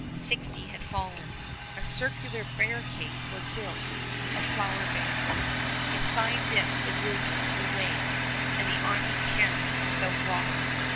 Sixty had fallen. A circular barricade was built of flour bags. Inside this the wounded were laid, and the army camped without water.